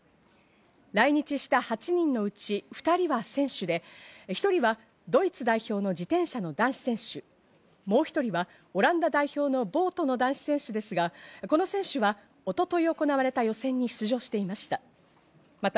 来日した８人のうち２人は選手で、１人はドイツ代表の自転車の男子選手、もう１人はオランダ代表のボート男子選手ですが、この選手は一昨日行われた予選に出場していました。